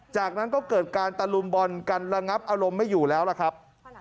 จากนั้นก็เกิดการตะลุมบอลกันระงับอารมณ์ไม่อยู่แล้วล่ะครับ